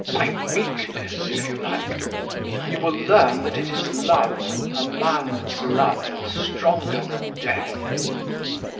My weakness! if you like. You will learn that it is love, a man's love, stronger than death."